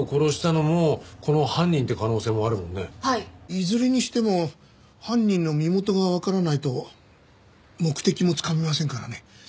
いずれにしても犯人の身元がわからないと目的もつかめませんからね。